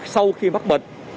sau khi bắt bệnh